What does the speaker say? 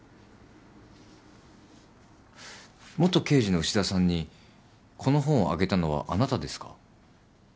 元刑事の牛田さんにこの本をあげたのはあなたですか？